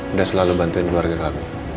udah selalu bantuin keluarga kami